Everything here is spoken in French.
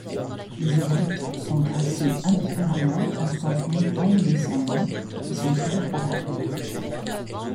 Les obliques sont tracées indifféremment en sens montant ou descendant, mais sont toujours parallèles.